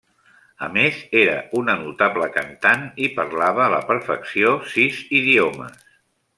A més, era una notable cantant, i parlava a la perfecció sis idiomes.